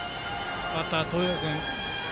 バッターの豊田君